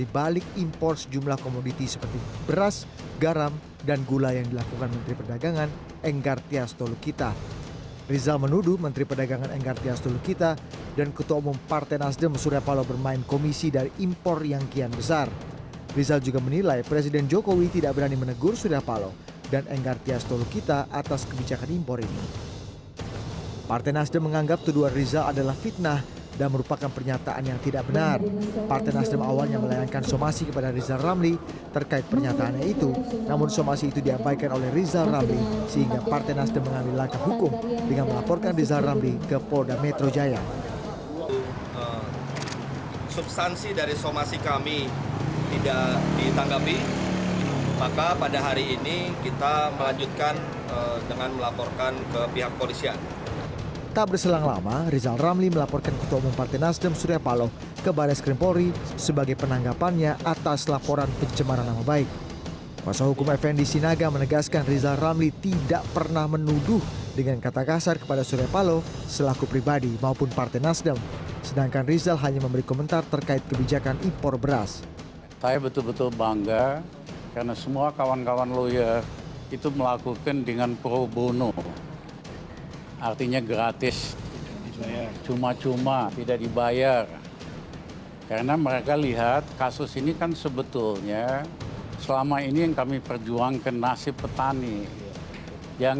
buat petani di indonesia petandak garam di indonesia bukan di vietnam maupun di thailand